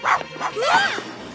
うわっ！